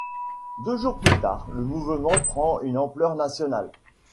Deux jours plus tard, le mouvement prend une ampleur nationale.